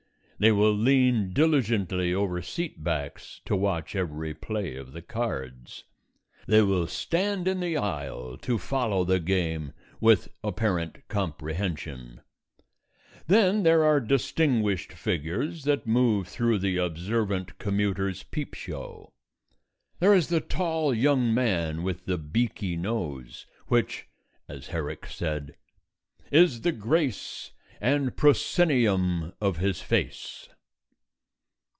They will lean diligently over seat backs to watch every play of the cards. They will stand in the aisle to follow the game, with apparent comprehension. Then there are distinguished figures that move through the observant commuter's peep show. There is the tall young man with the beaky nose, which (as Herrick said) Is the grace And proscenium of his face.